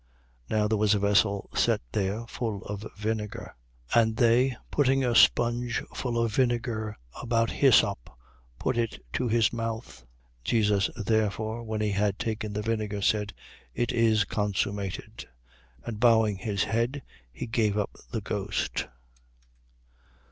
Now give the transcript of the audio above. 19:29. Now there was a vessel set there, full of vinegar. And they, putting a sponge full of vinegar about hyssop, put it to his mouth. 19:30. Jesus therefore, when he had taken the vinegar, said: It is consummated. And bowing his head, he gave up the ghost.